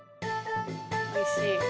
おいしい。